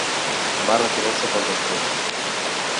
Va retirar-se poc després.